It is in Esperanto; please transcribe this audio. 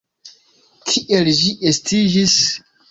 Kiel ĝi estiĝis?